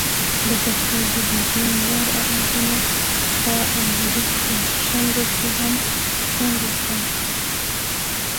د پښتو ژبې ځینو نورو آوازونو په انځوریز کښنګ کې هم ستونزه شته